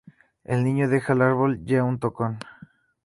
El niño deja al árbol, ya un tocón.